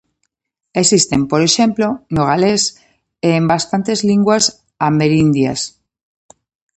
Existen, por exemplo, no galés e en bastantes linguas amerindias.